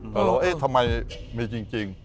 แต่เราเอ๊ะทำไมมีจริง